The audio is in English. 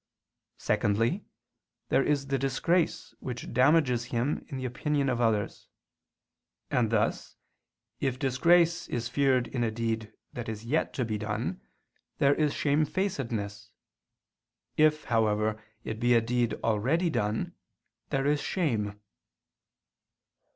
Secondly, there is the disgrace which damages him in the opinion of others. And thus, if disgrace is feared in a deed that is yet to be done, there is shamefacedness; if, however, it be a deed already done, there is _shame.